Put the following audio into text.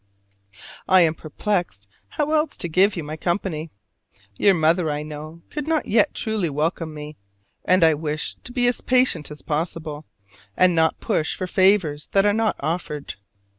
I am perplexed how else to give you my company: your mother, I know, could not yet truly welcome me; and I wish to be as patient as possible, and not push for favors that are not offered.